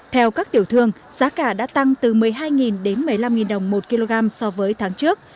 theo các tiểu thương giá cả đã tăng từ một mươi hai đến một mươi năm đồng một kg so với tháng trước